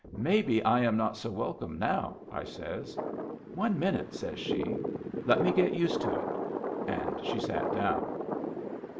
'Maybe I am not so welcome now,' I says. 'One minute,' says she. 'Let me get used to it.' And she sat down.